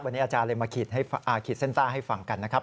วันนี้อาจารย์เลยมาขีดเส้นใต้ให้ฟังกันนะครับ